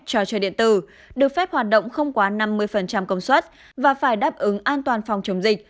cho chơi điện tử được phép hoạt động không quá năm mươi công suất và phải đáp ứng an toàn phòng chống dịch